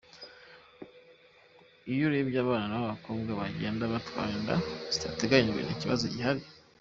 "Iyo urebye abana b’abakobwa bagenda batwara inda zitateguwe ni ikibazo gihari.